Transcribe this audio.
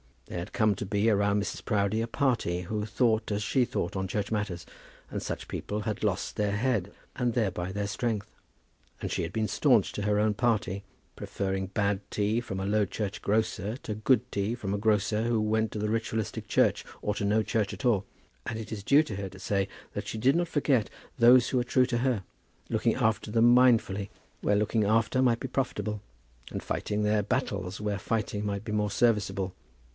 There had come to be around Mrs. Proudie a party who thought as she thought on church matters, and such people had lost their head, and thereby their strength. And she had been staunch to her own party, preferring bad tea from a low church grocer, to good tea from a grocer who went to the ritualistic church or to no church at all. And it is due to her to say that she did not forget those who were true to her, looking after them mindfully where looking after might be profitable, and fighting their battles where fighting might be more serviceable.